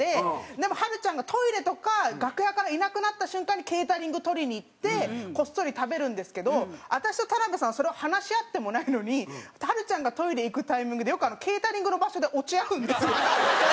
でもはるちゃんがトイレとか楽屋からいなくなった瞬間にケータリングを取りに行ってこっそり食べるんですけど私と田辺さんはそれを話し合ってもないのにはるちゃんがトイレ行くタイミングでよくケータリングの場所で落ち合うんですよ。